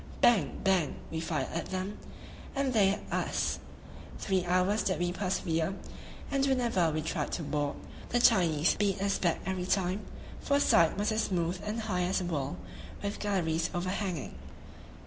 Bang! bang! we fired at them, and they at us; three hours did we persevere, and whenever we tried to board, the Chinese beat us back every time, for her side was as smooth and as high as a wall, with galleries overhanging.